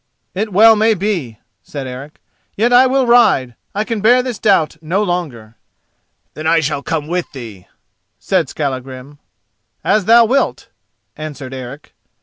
"It well may be," said Eric. "Yet I will ride. I can bear this doubt no longer." "Then I shall come with thee," said Skallagrim. "As thou wilt," answered Eric.